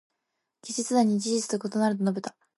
記者団に「事実と異なる」と述べた。